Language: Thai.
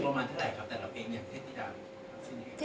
ไม่มีเลยครับ